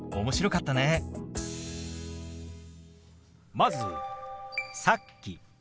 まず「さっき」。